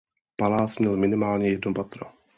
Palác měl minimálně jedno patro.